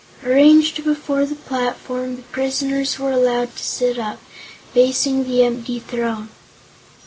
Arranged before the platform, the prisoners were allowed to sit up, facing the empty throne.